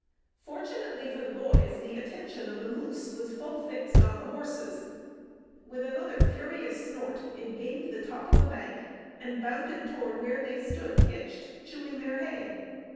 Fortunately for the boys, the attention of the moose was full fixed on the horses. With another furious snort, it gained the top of the bank and bounded toward where they stood hitched, chewing their hay.